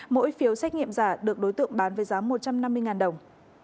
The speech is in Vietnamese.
mỗi phiếu xét nghiệm giả được đối tượng bán với giá một trăm năm mươi đồng